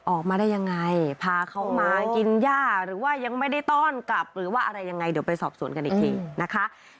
ออกมาได้ยังไงพาเขามากินย่าหรือว่ายังไม่ได้ต้อนกลับหรือว่าอะไรยังไงเดี๋ยวไปสอบสวนกันอีกทีนะคะ